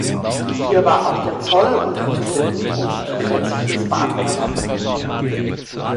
Hier war auch der Zoll unterzubringen und zusätzliches Bahnpersonal.